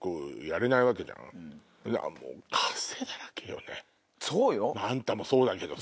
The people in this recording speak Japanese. まぁあんたもそうだけどさ。